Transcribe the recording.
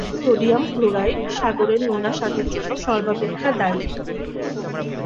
Sodium chloride সাগরের নোনা স্বাদের জন্য সর্বাপেক্ষা দায়ী।